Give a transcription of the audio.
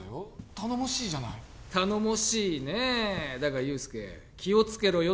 頼もしいじゃない頼もしいねえだが憂助気をつけろよ